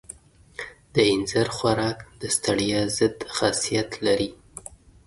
د اینځر خوراک د ستړیا ضد خاصیت لري.